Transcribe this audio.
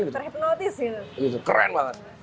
terhipnotis gitu keren banget